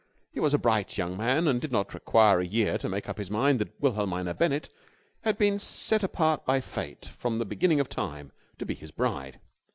He was a bright young man and did not require a year to make up his mind that Wilhelmina Bennett had been set apart by Fate from the beginning of time to be his bride.